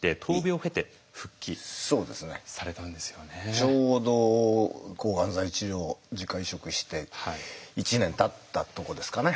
ちょうど抗がん剤治療自家移植して１年たったとこですかね。